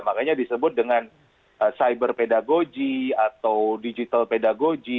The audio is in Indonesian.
makanya disebut dengan cyber pedagogy atau digital pedagogy